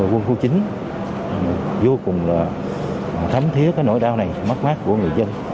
quân khu chín vô cùng là thấm thiết cái nỗi đau này mất mát của người dân